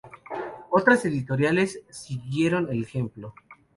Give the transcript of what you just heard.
Otras editoriales siguieron el ejemplo.